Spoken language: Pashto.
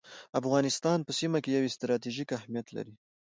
افغانستان په سیمه کي یو ستراتیژیک اهمیت لري